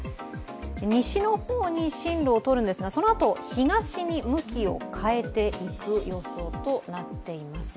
西の方に進路を取るんですが、そのあと東に向きを変えていく予想となっています。